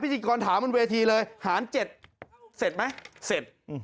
พิธีกรถามบนเวทีเลยหาร๗เสร็จไหมเสร็จ